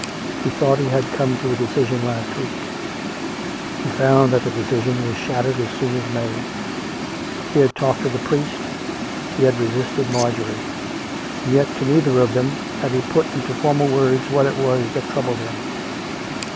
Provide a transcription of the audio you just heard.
He thought he had come to a decision last week; he found that the decision was shattered as soon as made. He had talked to the priest; he had resisted Marjorie; and yet to neither of them had he put into formal words what it was that troubled him.